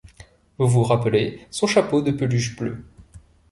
Vous vous rappelez son chapeau de peluche bleue.